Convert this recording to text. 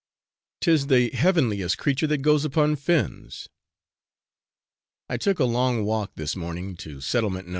'Tis the heavenliest creature that goes upon fins. I took a long walk this morning to Settlement No.